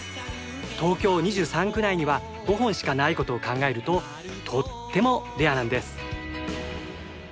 東京２３区内には５本しかないことを考えるととってもレアなんです！